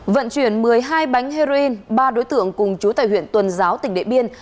vận chuyển một mươi hai bánh heroin ba đối tượng cùng chú tài huyện tuần giáo tỉnh đệ biên